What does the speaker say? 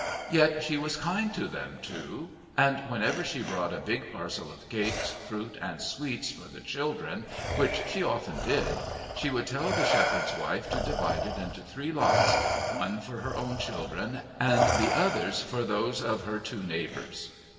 Yet she was kind to them too, and whenever she brought a big parcel of cakes, fruit, and sweets for the children, which she often did, she would tell the shepherd's wife to divide it into three lots, one for her own children and the others for those of her two neighbours.